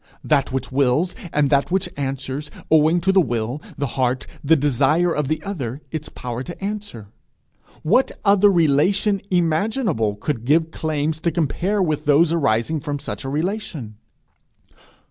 that which wills, and that which answers, owing to the will, the heart, the desire of the other, its power to answer? What other relation imaginable could give claims to compare with those arising from such a relation?